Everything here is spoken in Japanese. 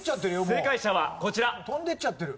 正解者はこちら。